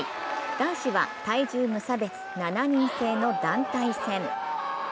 男子は体重無差別７人制の団体戦。